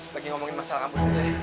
lagi ngomongin masalah kampus aja